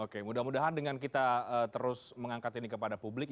oke mudah mudahan dengan kita terus mengangkat ini kepada publik